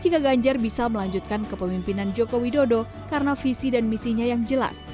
jika ganjar bisa melanjutkan kepemimpinan joko widodo karena visi dan misinya yang jelas